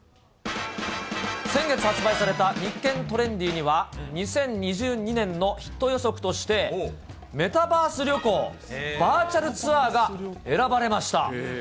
先月発売された日経トレンディには、２０２２年のヒット予測としてメタバース旅行、バーチャルツアーが選ばれました。